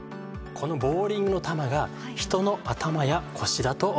このボウリングの球が人の頭や腰だと思ってください。